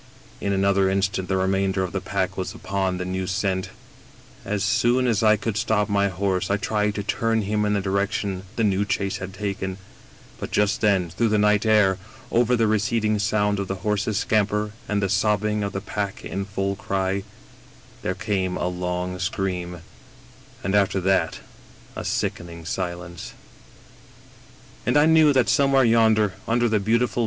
In another instant the remainder of the pack was upon the new scent. *' As soon as I could stop my horse, I tried to turn him in the direction the new chase had taken, but just then, through the night air, over the receding sound of the horse's scamper and the sobbing of the pack in full cry, 134 EgertOH Castle there came a long scream, and after that a sickening silence^ And I knew that somewhere yonder, under the beautiful